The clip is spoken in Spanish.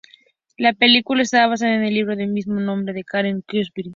La película está basada en el libro con el mismo nombre de Karen Kingsbury.